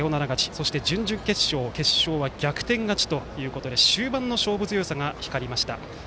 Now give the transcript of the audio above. そして準々決勝、決勝は逆転勝ちということで終盤の勝負強さが光りました。